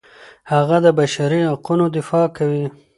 هغه د بشري حقونو دفاع کوي.